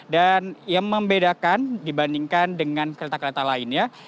dan yang membedakan dibandingkan dengan kereta kereta lainnya